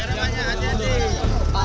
jangan jangan jangan